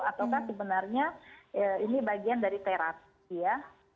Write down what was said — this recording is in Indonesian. ataukah sebenarnya ini bagian dari terapi ya